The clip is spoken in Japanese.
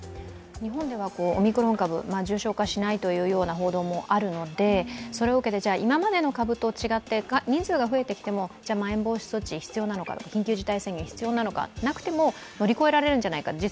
日本ではオミクロン株、重症化しないという報道もあるので、それを受けて、今までの株と違って人数が増えてきてもまん延防止措置が必要なのか、緊急事態宣言が必要なのか、なくても乗り越えられるんじゃないか。